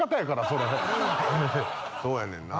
そうやねんな。